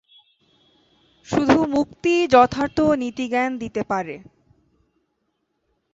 শুধু মুক্তিই যথার্থ নীতিজ্ঞান দিতে পারে।